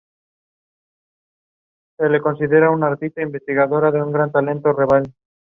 It was unclear the exact day she died.